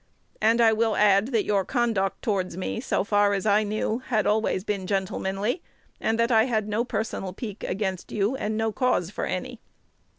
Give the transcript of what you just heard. And I will add, that your conduct towards me, so far as I knew, had always been gentlemanly, and that I had no personal pique against you, and no cause for any."